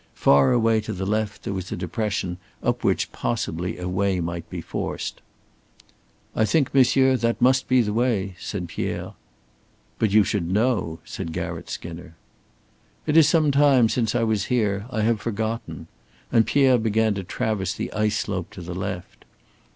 Far away to the left there was a depression up which possibly a way might be forced. "I think, monsieur, that must be the way," said Pierre. "But you should know" said Garratt Skinner. "It is some time since I was here. I have forgotten;" and Pierre began to traverse the ice slope to the left.